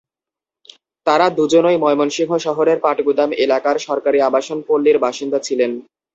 তাঁরা দুজনই ময়মনসিংহ শহরের পাটগুদাম এলাকার সরকারি আবাসন পল্লির বাসিন্দা ছিলেন।